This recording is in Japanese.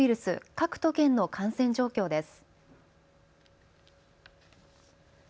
各都県の感染状況です。